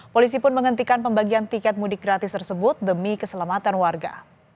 polisi pun menghentikan pembagian tiket mudik gratis tersebut demi keselamatan warga